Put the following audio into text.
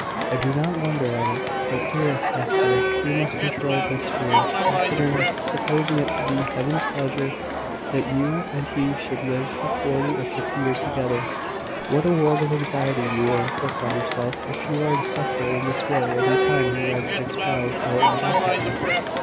I do not wonder at it; but, dearest Hester, you must control this fear. Consider; supposing it to be Heaven's pleasure that you and he should live for forty or fifty years together, what a world of anxiety you will inflict on yourself if you are to suffer in this way every time he rides six miles out and back again!"